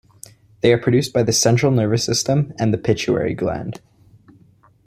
They are produced by the central nervous system and the pituitary gland.